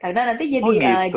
karena nanti jadi